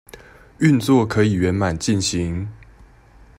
運作可以圓滿進行